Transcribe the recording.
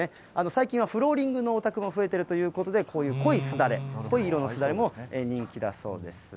最近はフローリングのお宅も増えているということで、こういう濃いすだれ、濃い色のすだれも人気だそうです。